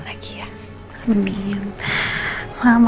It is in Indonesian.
gak ada apa apa